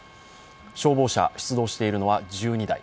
消防車、出動しているのは１２台。